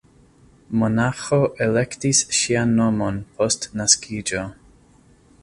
Monaĥo elektis ŝian nomon post naskiĝo.